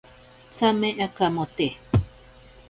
Tsame akamote.